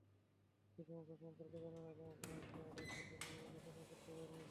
সেই সমস্যা সম্পর্কে জানার আগে আমরা একটু আলোর গতি নিয়ে আলোচনা করতে পারি।